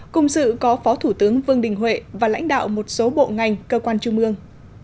cùng sự có phó thủ tướng vương đình huệ và lãnh đạo một số bộ ngành cơ quan trung ương